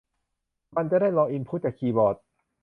มันจะได้รออินพุตจากคีย์บอร์ด